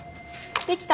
できた！